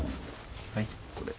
はい？